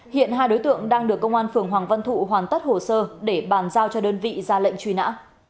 hiện hai đối tượng đang được công an phường hoàng văn thụ hoàn tất hồ sơ để bàn giao cho đơn vị ra lệnh truy nã